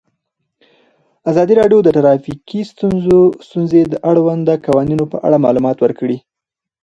ازادي راډیو د ټرافیکي ستونزې د اړونده قوانینو په اړه معلومات ورکړي.